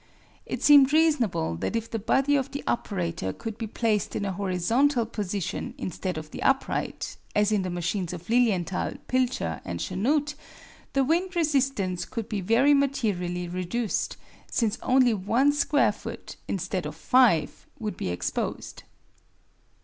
It seemed reasonable that if the body of the operator could be placed in a horizontal position instead of the upright, as in the machines of Lilienthal, Pilcher and Chanute, the wind resistance could be very materially reduced, since only one square foot instead of five would be exposed.